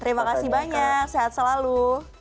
terima kasih banyak sehat selalu